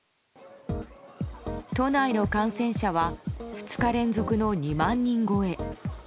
都内の感染者は２日連続の２万人超え。